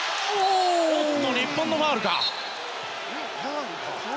おっと、日本のファウルか。